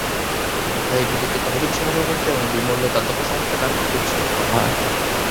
অধ্যায়গুলিকে তহবিল সংগ্রহ করতে এবং ডিমোলে দাতব্য সংস্থায় দান করতে উৎসাহিত করা হয়।